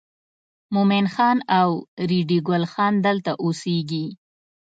مومن خان او ریډي ګل خان دلته اوسېږي.